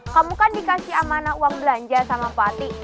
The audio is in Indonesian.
kamu kan dikasih amanah uang belanja sama fati